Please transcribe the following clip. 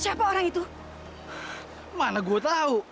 dia masih hidup nat